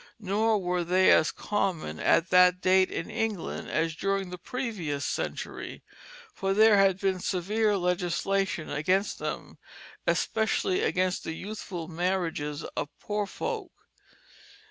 Nor were they as common at that date in England as during the previous century, for there had been severe legislation against them, especially against the youthful marriages of poor folk.